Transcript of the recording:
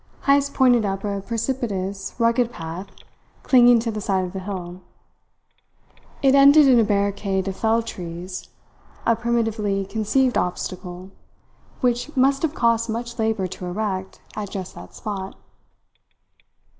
Heyst pointed up a precipitous, rugged path clinging to the side of the hill. It ended in a barricade of felled trees, a primitively conceived obstacle which must have cost much labour to erect at just that spot.